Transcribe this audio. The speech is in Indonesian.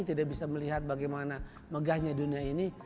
tidak bisa melihat bagaimana megahnya dunia ini